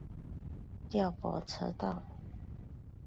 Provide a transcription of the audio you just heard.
调拨车道。